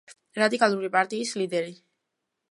რადიკალური პარტიის ლიდერი.